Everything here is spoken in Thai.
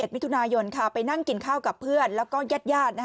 ๒๑วิทยุนายนไปนั่งกินข้าวกับเพื่อนแล้วก็แย่ด